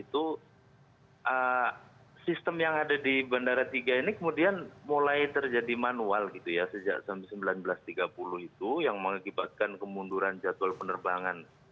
itu sistem yang ada di bandara tiga ini kemudian mulai terjadi manual gitu ya sejak seribu sembilan ratus tiga puluh itu yang mengakibatkan kemunduran jadwal penerbangan